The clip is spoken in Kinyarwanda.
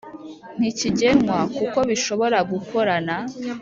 Ntikigenwa kuko bishobora gukorana